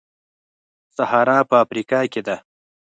سهارا په افریقا کې ده.